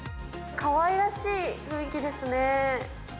かわいらしい雰囲気ですね。